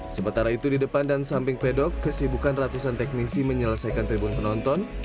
sementara itu di depan dan samping pedok kesibukan ratusan teknisi menyelesaikan tribun penonton